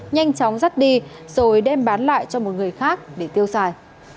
nhanh chóng rắt đi rồi đem bán lại cho một người khác để tiêu xài